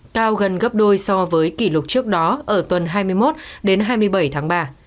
cao gần gấp đôi so với kỷ lục trước đó ở tuần hai mươi một đến hai mươi bảy tháng ba